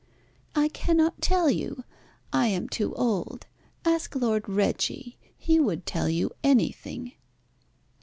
"I cannot tell you. I am too old. Ask Lord Reggie. He would tell you anything."